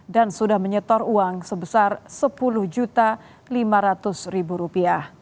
dan sudah menyetor uang sebesar rp sepuluh lima ratus